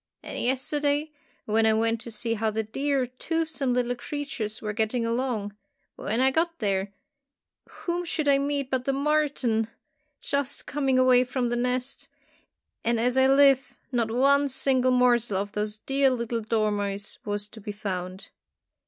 And yesterday, when I went to see how the dear toothsome little creatures were getting along, when I got there, whom should I meet but the marten just coming away from the nest, and as I live, not one single morsel of those dear little dormice was to be found.